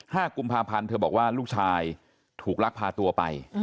ห้ากุมภาพันธ์เธอบอกว่าลูกชายถูกลักพาตัวไป